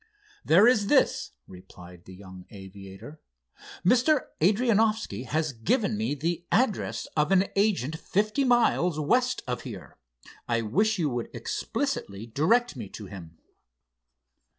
"There is this," replied the young aviator—"Mr. Adrianoffski has given me the address of an agent fifty miles west of here. I wish you would explicitly direct me to him."